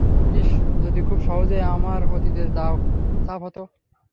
ইশ, যদি খুব সহজেই আমার অতীতের দাগ সাফ হতো।